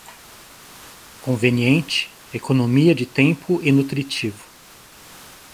Conveniente, economia de tempo e nutritivo